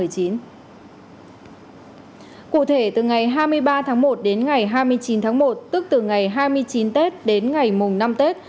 cụ thể từ ngày hai mươi ba tháng một đến ngày hai mươi chín tháng một tức từ ngày hai mươi chín tết đến ngày mùng năm tết